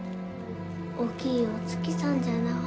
大きいお月さんじゃな。